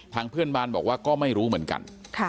เพื่อนบ้านบอกว่าก็ไม่รู้เหมือนกัน